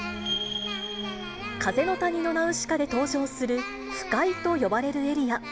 風の谷のナウシカで登場する腐海と呼ばれるエリア。